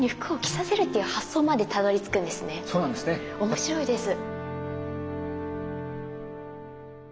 面白いです。